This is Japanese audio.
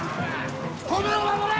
殿を守れ！